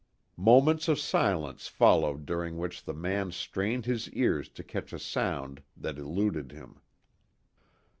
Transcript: Moments of silence followed during which the man strained his ears to catch a sound that eluded him.